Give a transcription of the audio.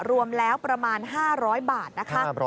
รวมแล้วประมาณ๕๐๐บาทนะคะ